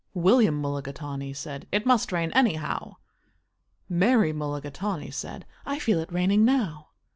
William Mulligatawny said, "It must rain, anyhow." Mary Mulligatawny said, "I feel it raining now."